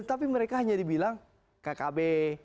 tapi mereka hanya dibilang kkb